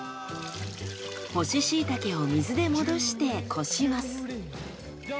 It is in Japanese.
干ししいたけを水で戻してこします。